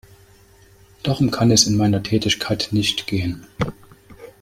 Darum kann es in meiner Tätigkeit nicht gehen.